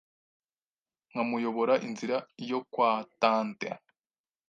nkamuyobora inzira yo kwa Tante,